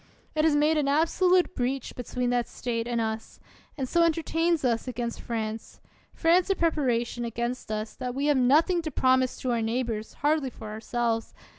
It has made an absolute breach between that State and us; and so entertains us against France, France in preparation against us, that we have nothing to promise to our neighbors, hardly for ourselves.